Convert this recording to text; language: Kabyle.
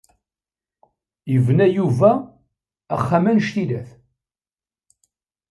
Yebna Yuba axxam annect ilat.